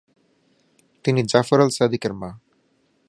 তিনি Jafar al সাদিকের মা।